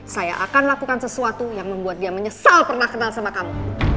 saya akan lakukan sesuatu yang membuat dia menyesal pernah kenal sama kamu